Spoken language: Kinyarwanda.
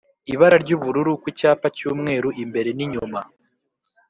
ibara ry’ ubururu ku cyapa cy’ umweru imbere n’inyuma